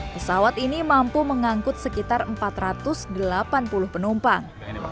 pesawat ini mampu mengangkut sekitar empat ratus delapan puluh penumpang